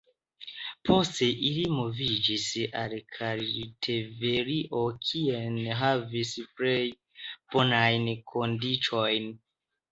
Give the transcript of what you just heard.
Poste ili moviĝis al Kartvelio, kie havis plej bonajn kondiĉojn.